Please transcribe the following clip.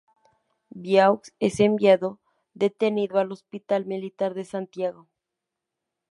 Viaux es enviado detenido al Hospital Militar de Santiago.